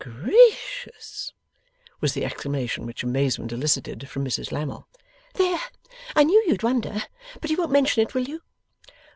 'Gracious!' was the exclamation which amazement elicited from Mrs Lammle. 'There! I knew you'd wonder. But you won't mention it, will you?